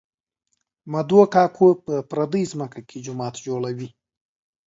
مدو کاکو په پردۍ ځمکه کې جومات جوړوي